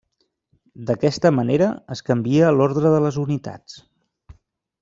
D'aquesta manera es canvia l'ordre de les unitats.